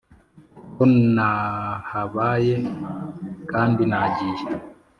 ko nahabaye kandi nagiye